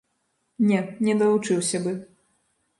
Не, не далучыўся бы.